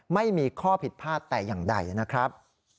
ไม่มีข้อผิดพลาดแต่อย่างใดนะครับ